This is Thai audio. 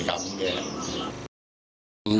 คนยู่ประอาทิตย์แล้วยู่มาเจอกันตรงนี้